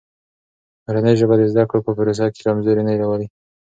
مورنۍ ژبه د زده کړو په پروسه کې کمزوري نه راولي.